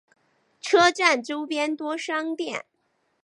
车站周边多商店。